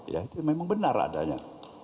ya itu memang benar adanya